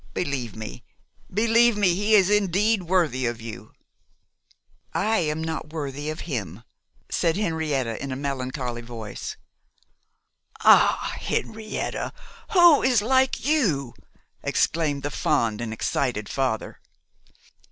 Believe me, believe me, he is indeed worthy of you.' 'I am not worthy of him,' said Henrietta, in a melancholy voice. 'Ah, Henrietta, who is like you!' exclaimed the fond and excited father.